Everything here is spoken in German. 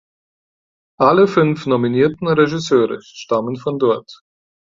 Alle fünf nominierten Regisseure stammen von dort.